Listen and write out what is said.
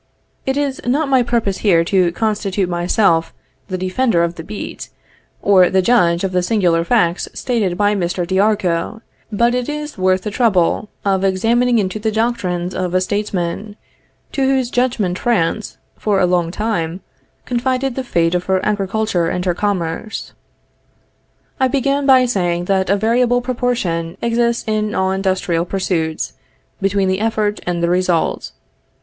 It is not my purpose here to constitute myself the defender of the beet, or the judge of the singular facts stated by Mr. d'Argout, but it is worth the trouble of examining into the doctrines of a statesman, to whose judgment France, for a long time, confided the fate of her agriculture and her commerce. I began by saying that a variable proportion exists in all industrial pursuits, between the effort and the result.